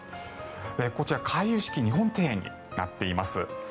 こちら回遊式日本庭園になっています。